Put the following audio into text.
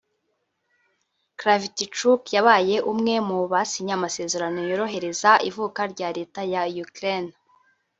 Kravtchouk yabaye umwe mu basinye amasezerano yorohereza ivuka rya Leta ya Ukraine